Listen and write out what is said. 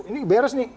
ini beres nih